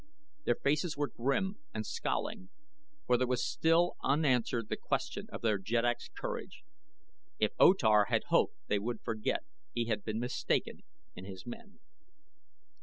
Their faces were grim and scowling, for there was still unanswered the question of their jeddak's courage. If O Tar had hoped they would forget he had been mistaken in his men.